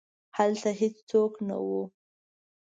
هلته هیڅوک نه وو.